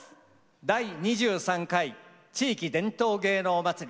「第２３回地域伝統芸能まつり」